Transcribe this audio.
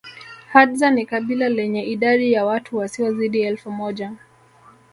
Hadza ni kabila lenye idadi ya watu wasiozidi elfu moja